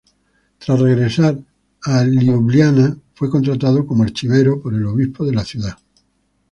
Tras regresar a Liubliana, fue contratado como archivero por el obispo de la ciudad.